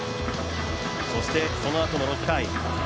そしてそのあとの６回。